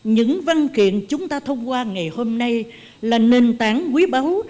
những văn kiện chúng ta thông qua ngày hôm nay là nền tảng quý báu